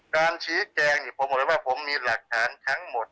การชี้แจงผมบอกเลยว่าผมมีหลักฐานทั้งหมด